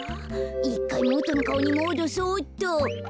１かいもとのかおにもどそうっと。